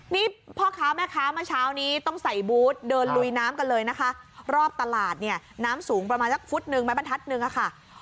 นี่พ่อค้าแม่ค้าเมื่อเช้านี้ต้องใส่บูธเดินลุยน้ำกันเลยนะคะรอบตลาดเนี่ยน้ำสูงประมาณสักฟุตหนึ่งไม้บรรทัศนึงค่ะ